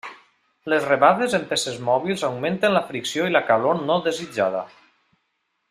Les rebaves en peces mòbils augmenten la fricció i la calor no desitjada.